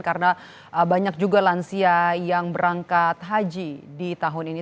karena banyak juga lansia yang berangkat haji di tahun ini